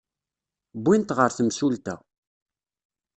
Wwin-t ɣer temsulta.